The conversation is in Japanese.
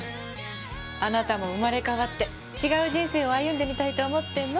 あなたも生まれ変わって違う人生を歩んでみたいと思ってるの？